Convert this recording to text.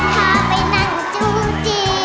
พาไปนั่งจูงจี